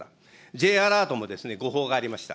Ｊアラートも誤報がありました。